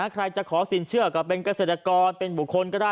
ใครจะขอสินเชื่อก็เป็นเกษตรกรเป็นบุคคลก็ได้